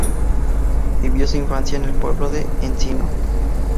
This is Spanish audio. Vivió su infancia en el pueblo de Encino.